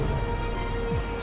supaya bisa terungkap